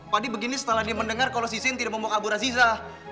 pak de begini setelah dia mendengar kalau si zen tidak mau kabur aziza